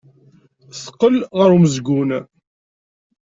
Teqqel ɣer umezgun.